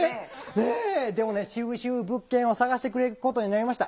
でもねしぶしぶ物件を探してくれることになりました。